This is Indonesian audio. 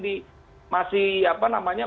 di masih apa namanya